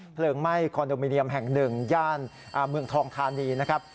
ไหม้คอนโดมิเนียมแห่งหนึ่งย่านเมืองทองธานีนะครับ